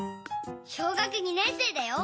小学２年生だよ。